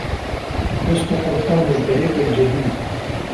لست قبطان الفريق الجديد.